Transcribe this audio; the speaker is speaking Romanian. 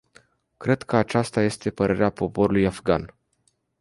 Cred că aceasta este și părerea poporului afgan.